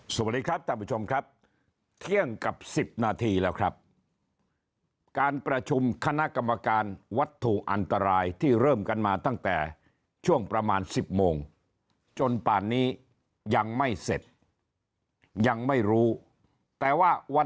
สวัสดีครับท่านผู้ชมครับเที่ยงกับสิบนาทีแล้วครับการประชุมคณะกรรมการวัตถุอันตรายที่เริ่มกันมาตั้งแต่ช่วงประมาณสิบโมงจนป่านนี้ยังไม่เสร็จยังไม่รู้แต่ว่าวัน